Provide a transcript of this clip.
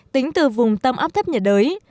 tính từ vùng tâm áp thấp nhiệt đới